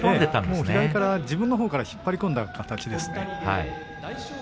自分のほうから引っ張り込んだ形ですね。